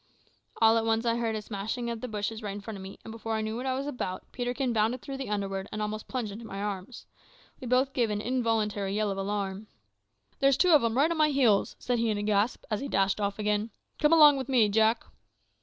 All at once I heard a smashing of the bushes right in front of me, and before I knew what I was about, Peterkin bounced through the underwood and almost plunged into my arms. We both gave an involuntary yell of alarm. "`There's two of 'em right on my heels,' said he in a gasp, as he dashed off again. `Come along with me, Jack.'